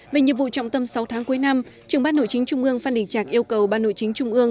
về nhiệm vụ trọng tâm sáu tháng cuối năm trưởng ban nội chính trung ương phan đình trạc yêu cầu ban nội chính trung ương